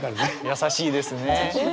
優しいですね。